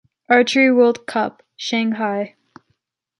Archery World Cup, shanghai